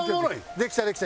できたできた！